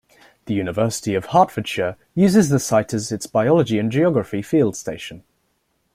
The University of Hertfordshire uses the site as its biology and geography field station.